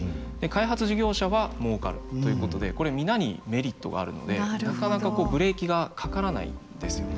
開発事業者はもうかるということでこれ皆にメリットがあるのでなかなかブレーキがかからないんですよね。